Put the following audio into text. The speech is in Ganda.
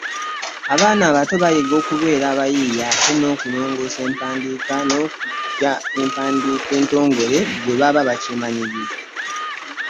Abaana abato bayiga okubeera abayiiya ate n’okulongoosa empandiika n’okuyiga empandiika entongole bwe bakyemanyiiza.